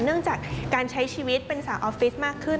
เนื่องจากการใช้ชีวิตเป็นสาวออฟฟิศมากขึ้น